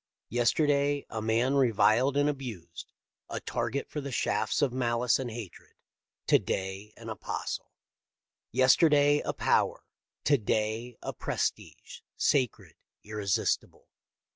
Yesterday a man reviled and abused, a target for the shafts of malice and hatred : to day an apostle. Yesterday a power: to day a prestige, sacred, irresistible.